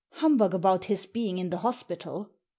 " Humbug about his being in the hospital!"